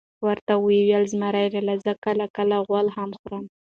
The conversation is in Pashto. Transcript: ورته وئې ویل: زمرى لالا زه کله کله غول هم خورم .